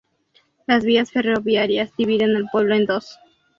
Las vías ferroviarias dividen al pueblo en dos.